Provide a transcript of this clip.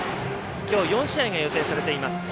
きょう４試合が予定されています。